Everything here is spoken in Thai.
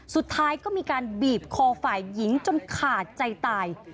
สุดท้ายก็มีการบีบคอฝ่ายหญิงจนขาดใจตาย